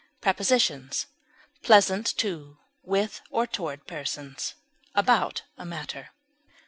Prepositions: Pleasant to, with, or toward persons, about a matter.